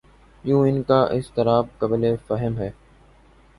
یوں ان کا اضطراب قابل فہم ہے۔